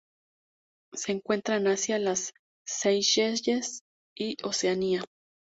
Se encuentra en Asia, las Seychelles y Oceanía.